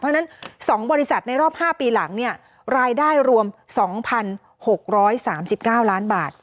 เพราะฉะนั้น๒บริษัทในรอบ๕ปีหลังเนี่ยรายได้รวม๒๖๓๙ล้านบาท